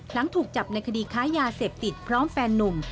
หลังถูกจับในคดีค้ายาเสพติดพร้อมแฟนนุ่ม